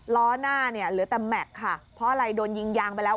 ล้อหน้าเนี่ยเหลือแต่แม็กซ์ค่ะเพราะอะไรโดนยิงยางไปแล้ว